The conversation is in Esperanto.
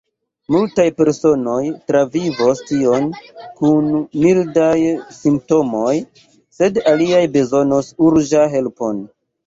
Multaj personoj travivos tion kun mildaj simptomoj, sed aliaj bezonos urĝan helpon.